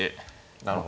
なるほど。